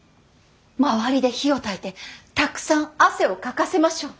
周りで火をたいてたくさん汗をかかせましょう。